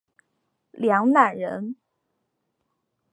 梁览人。